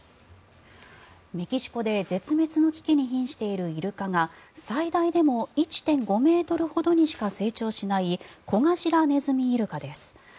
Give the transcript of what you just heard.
メキシコで絶滅の危機にひんしているイルカが最大でも１．５ｍほどにしか成長しないコガシラネズミイルカです。